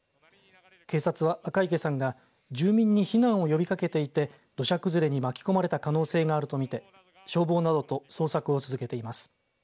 警察は赤池さんが住民に避難を呼びかけていて土砂崩れに巻き込まれた可能性があるとみて消防などと捜索を続けています。